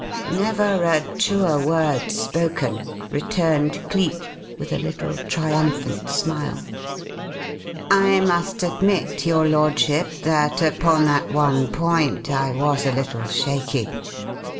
"Never a truer word spoken," returned Cleek, with a little triumphant smile. "I must admit, your Lordship, that upon that one point I was a little shaky.